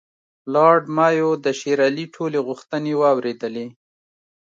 لارډ مایو د شېر علي ټولې غوښتنې واورېدلې.